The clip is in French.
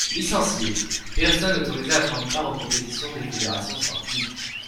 Licencié : Personne autorisée à prendre part aux compétitions des fédérations sportives.